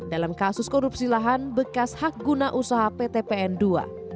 dalam kasus korupsi lahan bekas hak guna usaha pt pn ii